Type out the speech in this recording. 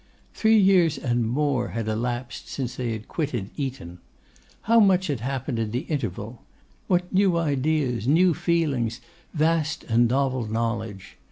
Three years and more had elapsed since they had quitted Eton. How much had happened in the interval! What new ideas, new feelings, vast and novel knowledge!